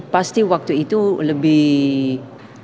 pasti waktu itu lebih